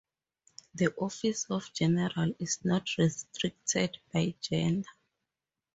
The office of General is not restricted by gender.